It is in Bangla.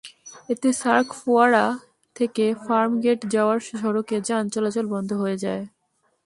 এতে সার্ক ফোয়ারা থেকে ফার্মগেট যাওয়ার সড়কে যান চলাচল বন্ধ হয়ে যায়।